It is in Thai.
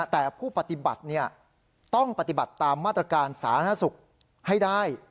แต่ผู้ปฏิบัติต้องปฏิบัติตามมาตรการสาธารณสุขให้ได้